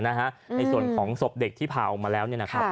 ในส่วนของศพเด็กที่ผ่าออกมาแล้ว